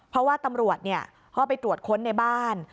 เพราะว่าตำรวจเข้าไปตรวจค้นในบ้าน